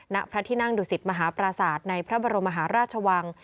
ณพระที่นั่งดุสิตมหาปราศาสตร์ในพระบรมมหาราชวัง